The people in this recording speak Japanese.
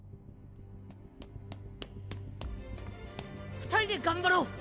二人で頑張ろう！